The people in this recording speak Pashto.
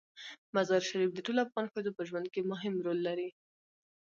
مزارشریف د ټولو افغان ښځو په ژوند کې مهم رول لري.